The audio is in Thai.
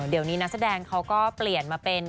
เดี๋ยวนี้นักแสดงเขาก็เปลี่ยนมาเป็น